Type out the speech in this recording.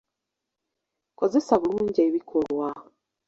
Kozesa bulungi ebikolwa.